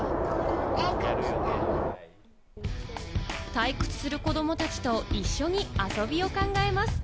退屈する子供たちと一緒に遊びを考えます。